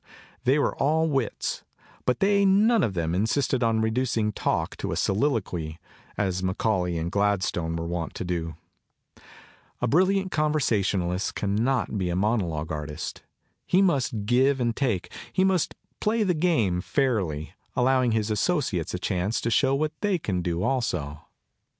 They were all wits, but they none of them insisted on reducing talk to a soliloquy, as Macaulay and Gladstone were wont to do. A brilliant conversationalist can 158 CONCERNING CONVERSATION not be a monolog artist. lie must give an<l take; he must play the game fairly, allowing his associates a chance to show what they can do also.